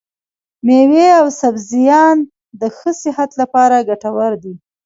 مېوې او سبزيان د ښه صحت لپاره ګټور دي.